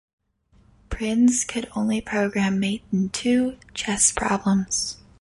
Prinz could only program mate-in-two chess problems.